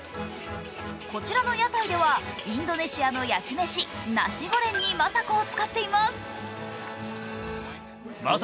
こちらの屋台ではインドネシアの焼き飯、ナシゴレンにマサコを使っています。